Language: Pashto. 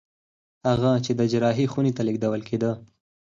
هغه چې د جراحي خونې ته لېږدول کېده